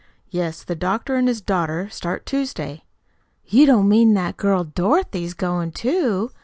"Yes. The doctor and his daughter start Tuesday." "You don't mean that girl Dorothy's goin' too?"